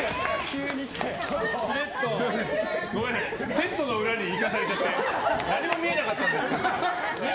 セットの裏に行かされちゃって何も見えなかった。